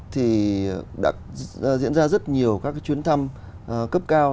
thì đã diễn ra rất nhiều các chuyến thăm cấp cao